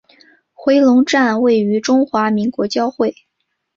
回龙站位于中华民国交会。